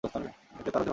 এটাই তাওরাতের ভাষ্য।